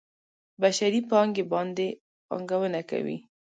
بشري پانګې باندې پانګونه کوي.